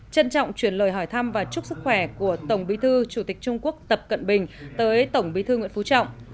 trân trọng chuyển lời hỏi thăm và chúc sức khỏe của tổng bí thư chủ tịch trung quốc tập cận bình tới tổng bí thư nguyễn phú trọng